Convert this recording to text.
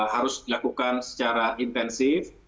harus dilakukan secara intensif